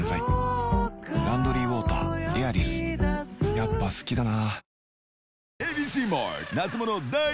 やっぱ好きだな